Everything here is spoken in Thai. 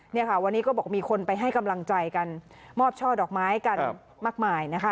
เนี่ยค่ะวันนี้ก็บอกมีคนไปให้กำลังใจกันมอบช่อดอกไม้กันมากมายนะคะ